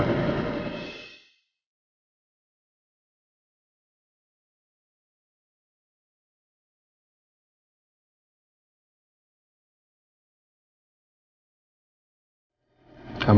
kita cari siapa yang udah bunuh roya